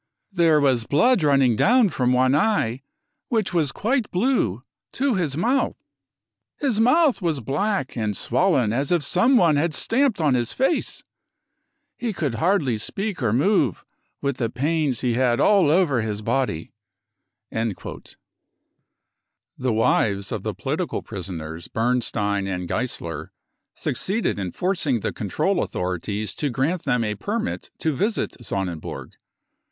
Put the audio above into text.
i There was blood running down from one eye, which was quite blue, to his mouth. His mouth was black and swollen as if someone had stamped on his face. He could ! hardly speak or move with the pains he had all over his 1 body." gi 4» f f.'\ The wives of the political prisoners Bernstein and Geisler succeeded in forcing the control authorities to grant them a permit to visit Sonnenburg.